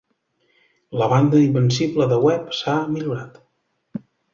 La banda invencible de Webb s'ha millorat.